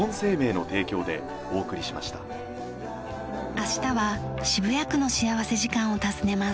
明日は渋谷区の幸福時間を訪ねます。